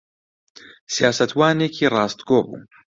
سیاسەتوانێکی ڕاستگۆ بوو.